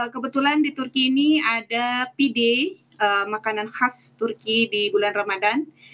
kebetulan di turki ini ada pd makanan khas turki di bulan ramadan